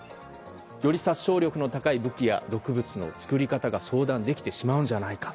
より殺傷力の高い武器や毒物の作り方が相談できてしまうんじゃないか。